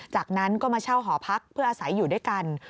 จากนั้นก็มาเช่าหอพักเพื่ออาศัยอยู่ด้วยกัน